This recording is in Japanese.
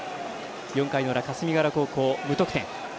４回の裏、霞ヶ浦高校、無得点。